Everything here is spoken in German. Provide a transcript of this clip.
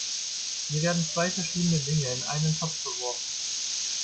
Hier werden zwei verschiedene Dinge in einen Topf geworfen.